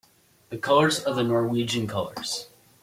The colours are the Norwegian colours.